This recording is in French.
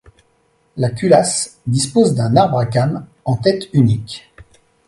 La culasse dispose d'un arbre à cames en tête unique.